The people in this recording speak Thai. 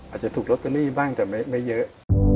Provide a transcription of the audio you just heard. อาจจะถูกลอตเตอรี่บ้างแต่ไม่เยอะ